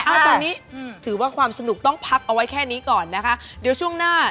เอาตอนนี้ถือว่าความสนุกต้องพักเอาไว้แค่นี้ก่อนนะคะเดี๋ยวช่วงหน้า